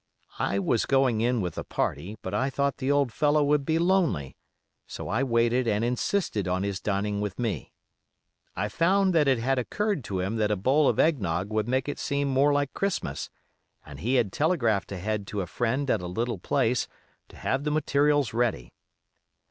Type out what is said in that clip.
I was going in with a party, but I thought the old fellow would be lonely, so I waited and insisted on his dining with me. I found that it had occurred to him that a bowl of eggnogg would make it seem more like Christmas, and he had telegraphed ahead to a friend at a little place to have 'the materials' ready.